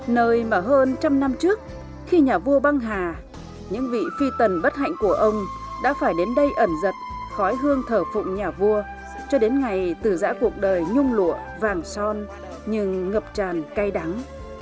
nơi mà hơn trăm năm trước khi nhà vua băng hà những vị phi tần bất hạnh của ông đã phải đến đây ẩn giật khói hương thở phụng nhà vua cho đến ngày tử giã cuộc đời nhung lụa vàng son nhưng ngập tràn cay đắng